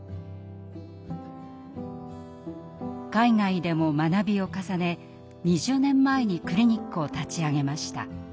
海外でも学びを重ね２０年前にクリニックを立ち上げました。